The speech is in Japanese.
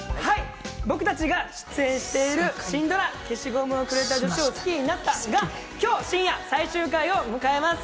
僕たちが出演しているシンドラ『消しゴムをくれた女子を好きになった。』が今日深夜、最終回を迎えます。